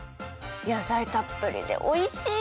やさいたっぷりでおいしい！